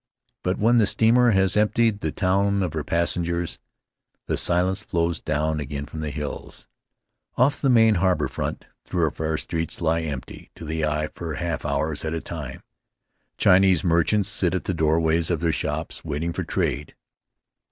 But when the steamer has emptied the town of her passengers, the silence flows down again from the hills. Off the main harbor front thoroughfare streets lie empty to the eye for half hours at a time. Chinese merchants sit at the doorways of their shops, waiting for trade.